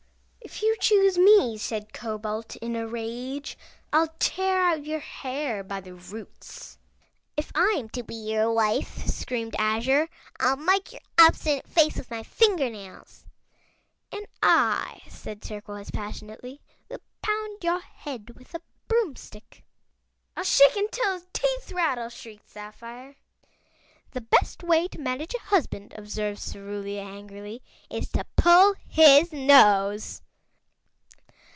"If you choose me," said Cobalt, in a rage, "I'll tear out your hair by the roots!" "If I am to be your wife," screamed Azure. "I'll mark your obstinate face with my finger nails!" "And I," said Turquoise, passionately, "will pound your head with a broomstick!" "I'll shake him till his teeth rattle!" shrieked Sapphire. "The best way to manage a husband," observed Cerulia angrily, "is to pull his nose."